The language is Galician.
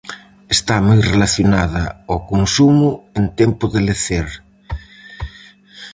Está moi relacionada ao consumo en tempo de lecer.